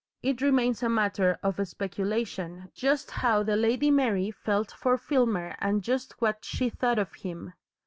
It remains a matter for speculation just how the Lady Mary felt for Filmer and just what she thought of him.